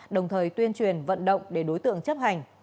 đồng thời tuyên truyền vận động để đối tượng chấp hành